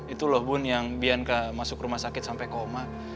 itulah bund yang bianca masuk rumah sakit sampai koma